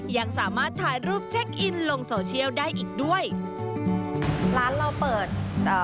ยังสามารถถ่ายรูปเช็คอินลงโซเชียลได้อีกด้วยร้านเราเปิดเอ่อ